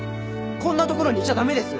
こんなところにいちゃ駄目です！